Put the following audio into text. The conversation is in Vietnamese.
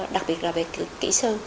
đặc biệt là về kỹ sư